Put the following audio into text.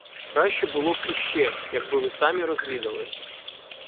— Краще було б іще, якби ви самі розвідали.